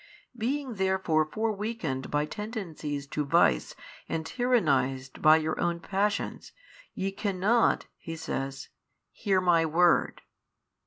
Being therefore fore weakened by tendencies to vice and tyrannized by your own passions ye cannot, He says, hear My Word.